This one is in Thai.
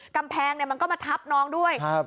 กำแพงเนี่ยมันก็มาทับน้องด้วยครับ